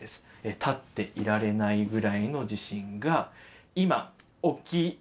立っていられないぐらいの地震が今起きました！